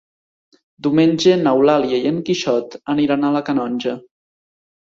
Diumenge n'Eulàlia i en Quixot aniran a la Canonja.